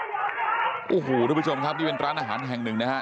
ขอบใจกันหมดนะครับทุกผู้ชมครับนี่เป็นร้านอาหารแห่งหนึ่งนะครับ